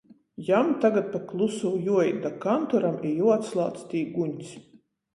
Jam tagad pa klusū juoīt da kantoram i juoatslādz tī guņs.